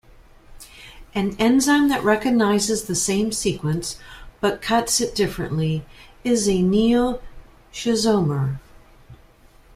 An enzyme that recognizes the same sequence but cuts it differently is a neoschizomer.